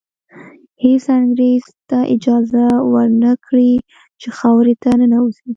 هېڅ انګریز ته اجازه ور نه کړي چې خاورې ته ننوځي.